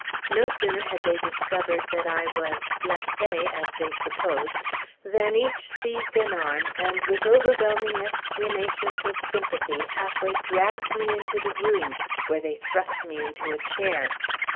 No sooner had they discovered that I was "blessée," as they supposed, than each seized an arm and with overwhelming exclamations of sympathy, halfway dragged me into the room, where they thrust me into a chair.